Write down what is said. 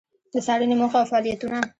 د څــارنـې موخـه او فعالیـتونـه: